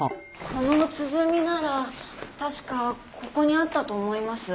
この鼓なら確かここにあったと思います。